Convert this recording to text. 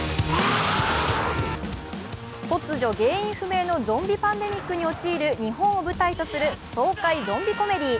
突如、原因不明のゾンビパンデミックに陥る日本を舞台とする爽快ゾンビコメディー。